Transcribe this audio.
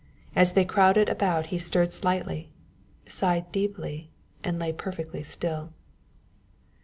As they crowded about he stirred slightly, sighed deeply, and lay perfectly still.